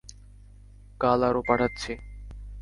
কাল আরো পাঠাচ্ছি।